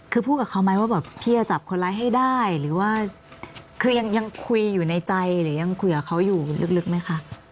คือพูดกับเขาไหมว่าแบบพี่จะจับคนร้ายให้ได้หรือว่าคือยังคุยอยู่ในใจหรือยังคุยกับเขาอยู่ลึกไหมคะ